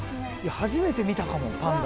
初めて見たかもパンダ。